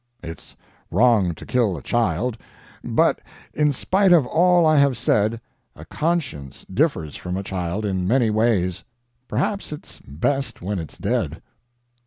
It's wrong to kill a child, but, in spite of all I have said, a conscience differs from a child in many ways. Perhaps it's best when it's dead."